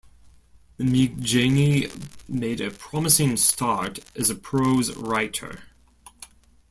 Migjeni made a promising start as a prose writer.